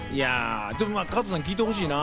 加藤さんに聴いてほしいな。